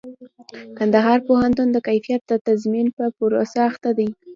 کندهار پوهنتون د کيفيت د تضمين په پروسه اخته دئ.